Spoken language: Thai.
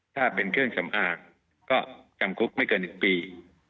ถ้าเป็นเครื่องสำอางก็จำคุกไม่เกิน๑ปี